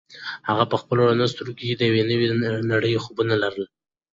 هغې په خپلو رڼو سترګو کې د یوې نوې نړۍ خوبونه لرل.